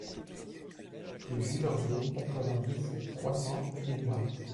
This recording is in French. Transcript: Rue Jules Oriez, quatre-vingt-dix, trois cents Éloie